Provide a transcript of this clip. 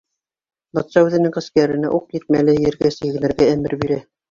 Батша үҙенең ғәскәренә уҡ етмәле ергә сигенергә әмер бирә.